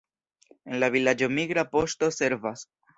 En la vilaĝo migra poŝto servas.